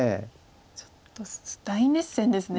ちょっと大熱戦ですね。